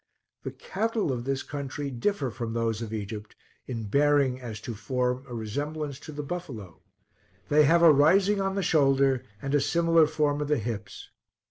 The cattle of this country differ from those of Egypt, in bearing, as to form, a resemblance to the buffalo. They have a rising on the shoulder, and a similar form of the hips.